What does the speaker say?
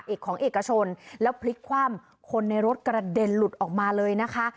เอกของเอกชนแล้วพลิกคว่ำคนในรถกระเด็นหลุดออกมาเลยนะคะ